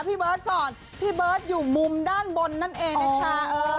พี่เบิร์ตก่อนพี่เบิร์ตอยู่มุมด้านบนนั่นเองนะคะ